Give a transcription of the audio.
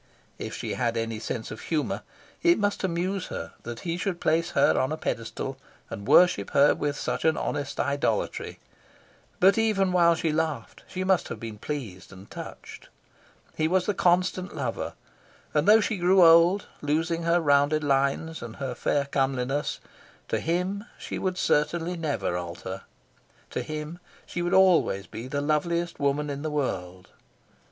If she had any sense of humour, it must amuse her that he should place her on a pedestal and worship her with such an honest idolatry, but even while she laughed she must have been pleased and touched. He was the constant lover, and though she grew old, losing her rounded lines and her fair comeliness, to him she would certainly never alter. To him she would always be the loveliest woman in the world.